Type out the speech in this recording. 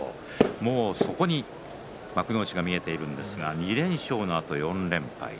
もうそこに幕内が見えているんですが２連勝のあと４連敗。